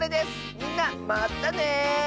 みんなまたね！